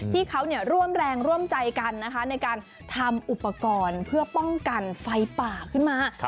ที่เขาร่วมแรงร่วมใจกันนะคะในการทำอุปกรณ์เพื่อป้องกันไฟป่าขึ้นมา